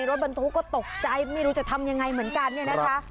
รถบรรทุกก็ตกใจไม่รู้จะทำยังไงเหมือนกันเนี่ยนะคะ